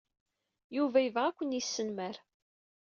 Yuba yebɣa ad ken-yesnemmer.